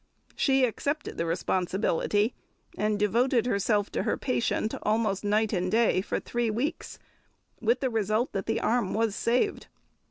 She accepted the responsibility, and devoted herself to her patient almost night and day for three weeks, with the result that the arm was saved.